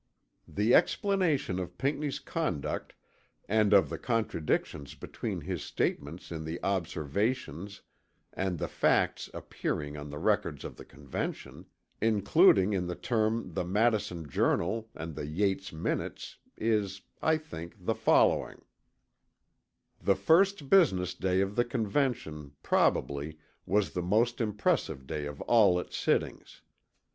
The explanation of Pinckney's conduct and of the contradictions between his statements in the Observations and the facts appearing on the records of the Convention, including in the term the Madison Journal and the Yates Minutes is, I think, the following: The first business day of the Convention, probably, was the most impressive day of all its sittings.